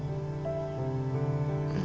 うん。